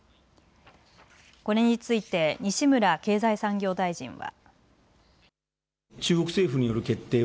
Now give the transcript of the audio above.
これについて西村経済産業大臣は。